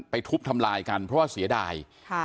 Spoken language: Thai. ทุบทำลายกันเพราะว่าเสียดาย